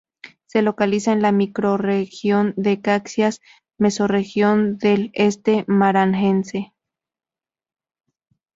Se localiza en la microrregión de Caxias, mesorregión del Este Maranhense.